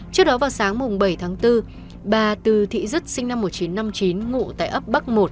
trước đó vào sáng bảy tháng bốn bà từ thị dứt sinh năm một nghìn chín trăm năm mươi chín ngụ tại ấp bắc một